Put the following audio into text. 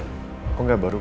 kok enggak baru kok